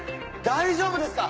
大丈夫ですか？